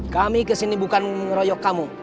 kami kesini bukan mengeroyok kamu